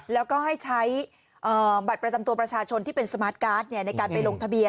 แล้วก็ให้ใช้บัตรประจำตัวประชาชนที่เป็นสมาร์ทการ์ดในการไปลงทะเบียน